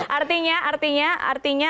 artinya artinya artinya